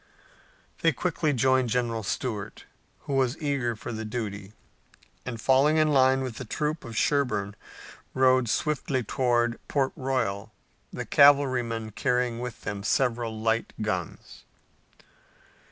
They quickly joined General Stuart, who was eager for the duty, and falling in line with the troop of Sherburne rode swiftly toward Port Royal, the cavalrymen carrying with them several light guns.